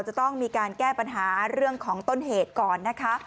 จะต้องมีการแก้ปัญหาเรื่องของต้นเหตุก่อนนะคะ